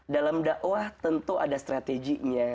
dalam dakwah tentu ada strateginya